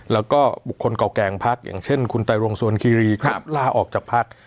แล้วก็บุคคลเก่าแก่งพักอย่างเช่นคุณไตรรงสวนคีรีครับลาออกจากพัก